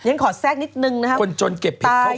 อย่างนั้นขอแซ่งนิดนึงนะครับ